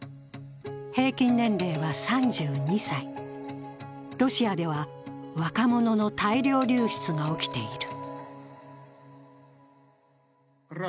平均年齢は３２歳、ロシアでは若者の大量流出が起きている。